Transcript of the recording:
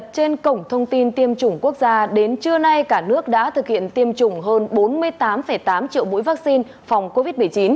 trên cổng thông tin tiêm chủng quốc gia đến trưa nay cả nước đã thực hiện tiêm chủng hơn bốn mươi tám tám triệu mũi vaccine phòng covid một mươi chín